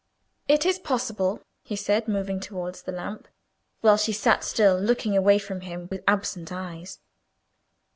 "It is possible," he said, moving towards the lamp, while she sat still, looking away from him with absent eyes.